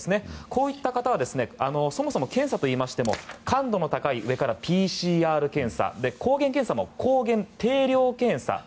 こういった方はそもそも検査といっても感度の高い上からＰＣＲ検査抗原検査も抗原定量検査。